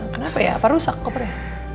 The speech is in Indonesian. kenapa ya apa rusak kopernya